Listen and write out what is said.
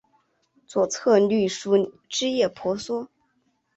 左侧绿树枝叶婆娑